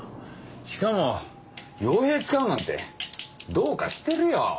しかも傭兵使うなんてどうかしてるよ。